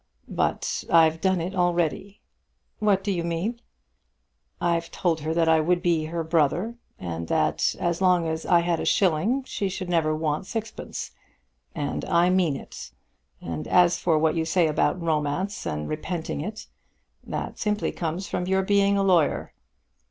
"But I've done it already." "What do you mean?" "I've told her that I would be her brother, and that as long as I had a shilling she should never want sixpence. And I mean it. And as for what you say about romance and repenting it, that simply comes from your being a lawyer."